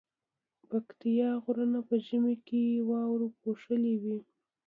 پکتيا غرونه په ژمی کی واورو پوښلي وی